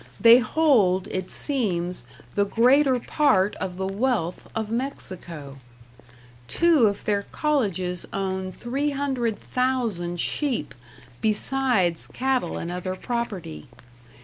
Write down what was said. They hold, it seems, the greater part of the wealth of Mexico. Two of their colleges own 300,000 sheep, besides cattle and other property.